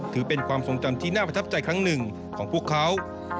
ถือเป็นความทรงจำที่น่าประทับใจครั้งหนึ่งของพวกเขา